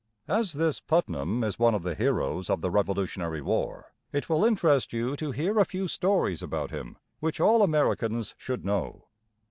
As this Putnam is one of the heroes of the Revolutionary War, it will interest you to hear a few stories about him, which all Americans should know.